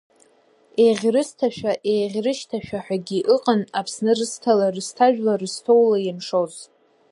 Еӷьрысҭажәа, Еӷьрышьҭажәа ҳәагьы ыҟан, Аԥсны рысҭала, рысҭажәла, рысҭоула ианшоз…